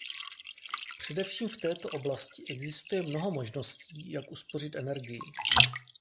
Především v této oblasti existuje mnoho možností, jak uspořit energii.